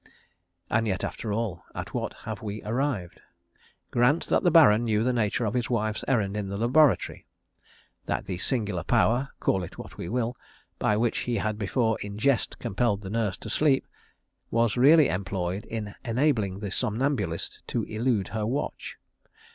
_ And yet, after all, at what have we arrived? Grant that the Baron knew the nature of his wife's errand in the laboratory; that the singular power call it what we will by which he had before in jest compelled the nurse to sleep, was really employed in enabling the somnambulist to elude her watch.